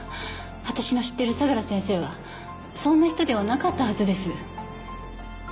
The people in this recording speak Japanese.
私の知っている相良先生はそんな人ではなかったはずです。